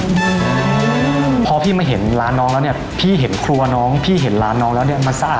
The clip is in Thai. อืมพอพี่มาเห็นร้านน้องแล้วเนี้ยพี่เห็นครัวน้องพี่เห็นร้านน้องแล้วเนี้ยมาซ่า